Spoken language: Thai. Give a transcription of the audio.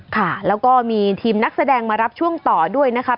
ค่ะแล้วก็มีทีมนักแสดงมารับช่วงต่อด้วยนะครับ